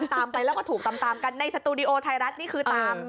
ตามไปแล้วก็ถูกตามกันในสตูดิโอไทยรัฐนี่คือตาม